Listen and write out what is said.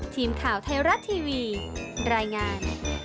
ทีมข่าวไทยรัฐทีวีรายงาน